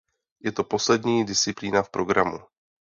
Je to poslední disciplína v programu.